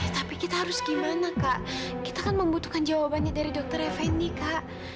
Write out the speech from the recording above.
tapi kita harus gimana kak kita kan membutuhkan jawabannya dari dokter eveni kak